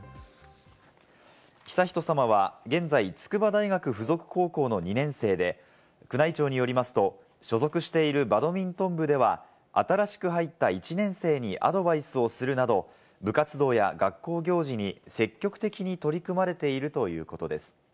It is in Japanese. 悠仁さまは現在、筑波大学附属高校の２年生で、宮内庁によりますと、所属しているバドミントン部では、新しく入った１年生にアドバイスをするなど、部活動や学校行事に積極的に取り組まれているということです。